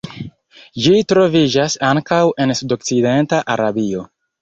Ĝi troviĝas ankaŭ en sudokcidenta Arabio.